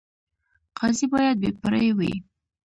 قاضي باید بې پرې وي